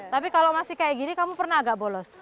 tapi kalau masih kayak gini kamu pernah agak bolos